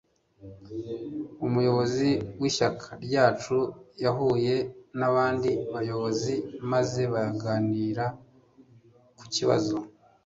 Umuyobozi wishyaka ryacu yahuye nabandi bayobozi maze baganira ku kibazo